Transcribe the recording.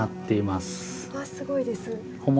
すごいです。